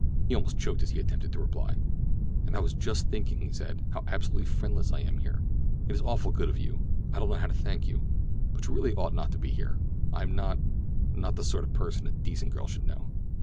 He almost choked as he attempted to reply. "And I was just thinking," he said, "how absolutely friendless I am here. It is awfully good of you—I don't know how to thank you; but really you ought not to be here. I'm not—not the sort of person a decent girl should know."